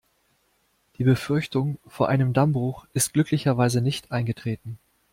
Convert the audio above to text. Die Befürchtung vor einem Dammbruch ist glücklicherweise nicht eingetreten.